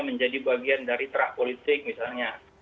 menjadi bagian dari terah politik misalnya